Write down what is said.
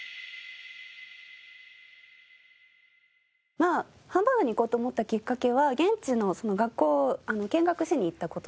まあハーバードに行こうと思ったきっかけは現地の学校を見学しに行った事なんですけど。